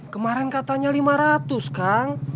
kemarin katanya lima ratus kang